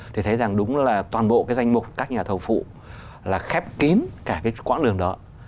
thì thấy rằng đúng là toàn bộ cái danh mục các nhà thầu phụ là khép kín cả cái quãng đường đó